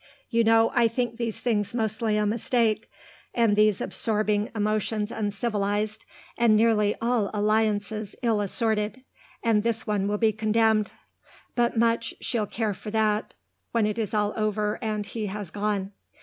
You know I think these things mostly a mistake, and these absorbing emotions uncivilised, and nearly all alliances ill assorted, and this one will be condemned. But much she'll care for that when it is all over and he has gone.